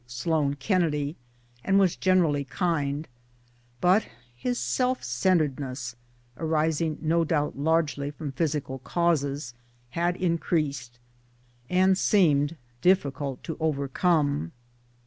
Sloane Kennedy, and was generally kind ; but his self centredness (arising no doubt largely from physical causes) had increased, and seemed difficult to overcome.